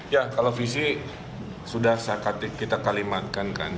ya kalau visi sudah kita kalimatkan kan